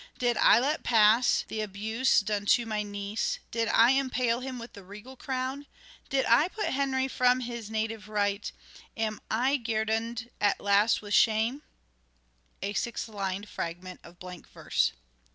Did I let pass the abuse done to my niece ? Did I impale him with the regal crown ? Did I put Henry from his native right ? And am I guerdon 'd at the last with shame ?" (A six lined fragment of blank verse.)